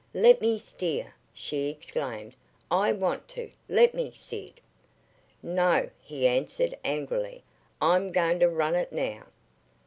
"Let me steer!" she exclaimed. "I want to! Let me, Sid!" "No!" he answered angrily. "I'm going to run it now."